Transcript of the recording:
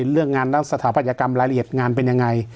เรื่องงานและสถาปัตยกรรมรายละเอียดงานเป็นยังไง